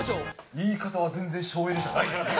言い方は全然省エネじゃないですね。